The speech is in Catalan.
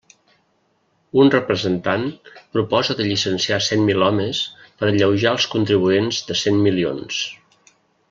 Un representant proposa de llicenciar cent mil homes per alleujar els contribuents de cent milions.